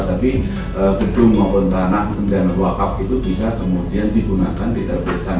tapi gedung maupun tanah dan wakaf itu bisa kemudian digunakan diterbitkan